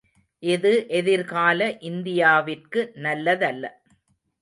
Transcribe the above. இது எதிர்கால இந்தியாவிற்கு நல்லதல்ல.